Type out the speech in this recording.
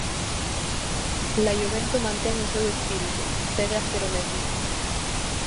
Laiovento mantén o seu espírito, segue a ser o mesmo.